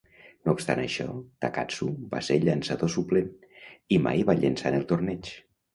No obstant això, Takatsu va ser el llançador suplent, i mai va llençar en el torneig.